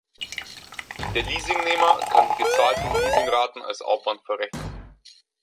Der Leasing-Nehmer kann die gezahlten Leasing-Raten als Aufwand verrechnen.